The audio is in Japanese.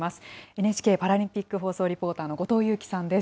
ＮＨＫパラリンピック放送リポーターの後藤佑季さんです。